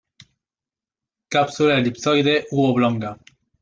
Cápsula elipsoide u oblonga.